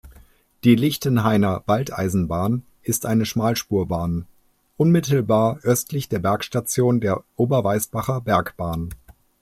Die Lichtenhainer Waldeisenbahn ist eine Schmalspurbahn; unmittelbar östlich der Bergstation der Oberweißbacher Bergbahn.